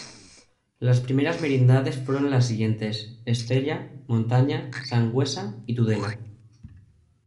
Las primeras merindades fueron las siguientes: Estella, Montaña, Sangüesa y Tudela.